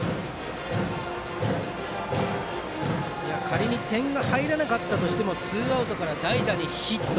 仮に点が入らなかったとしてもツーアウトから代打でヒット。